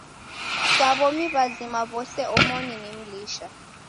Sa w'omi w'azima w'ose omoni ni mlisha.